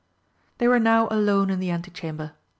They were now alone in the antechamber.